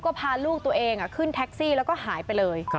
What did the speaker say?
ก็พาลูกตัวเองขึ้นแท็กซี่แล้วก็หายไปเลย